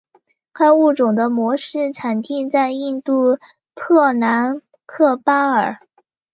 该物种的模式产地在印度特兰克巴尔。